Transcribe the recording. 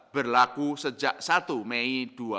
berlaku sejak satu mei dua ribu dua puluh